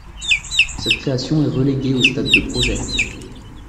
Cette création est reléguée au stade de projet.